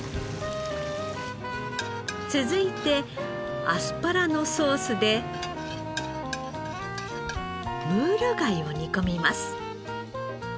続いてアスパラのソースでムール貝を煮込みます。